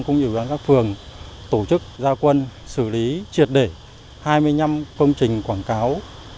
cũng như các phường tổ chức gia quân xử lý triệt để hai mươi năm công trình quảng cáo